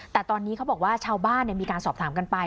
แต่ตอนนี้เขาบอกว่าชาวบ้านมีการสอบถามกันไป